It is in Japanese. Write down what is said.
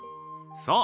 そう！